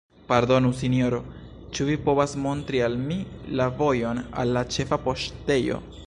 Pardonu, Sinjoro, ĉu vi povas montri al mi la vojon al la ĉefa poŝtejo?